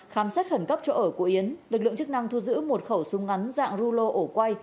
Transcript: khám xét khẩn cấp chỗ ở của yến lực lượng chức năng thu giữ một khẩu súng ngắn dạng rulo ổ quay